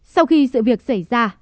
sau khi sự việc xảy ra